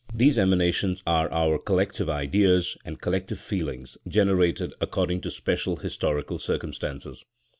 These emanations are our collective ideas and collective feelings, generated according to special historical circumstances.